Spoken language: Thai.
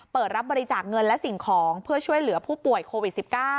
เปิดรับบริจาคเงินและสิ่งของเพื่อช่วยเหลือผู้ป่วยโควิด๑๙